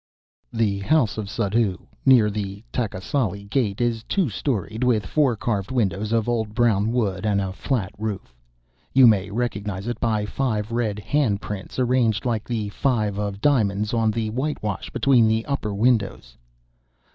_ The house of Suddhoo, near the Taksali Gate, is two storied, with four carved windows of old brown wood, and a flat roof. You may recognize it by five red handprints arranged like the Five of Diamonds on the whitewash between the upper windows.